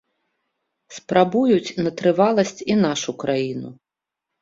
Спрабуюць на трываласць і нашу краіну.